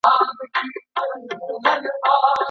ولي مدام هڅاند د پوه سړي په پرتله ښه ځلېږي؟